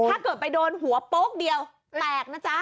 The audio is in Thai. ถ้าเกิดไปโดนหัวโป๊กเดียวแตกนะจ๊ะ